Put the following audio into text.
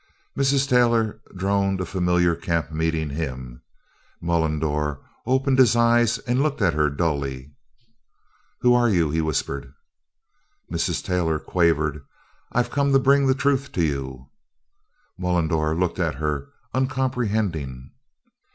As Mrs. Taylor droned a familiar camp meeting hymn, Mullendore opened his eyes and looked at her dully: "Who are you?" he whispered. Mrs. Taylor quavered, "I've come to bring the Truth to you." Mullendore looked at her, uncomprehending.